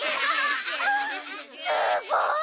すごい！